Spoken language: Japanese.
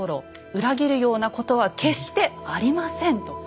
裏切るようなことは決してありませんと。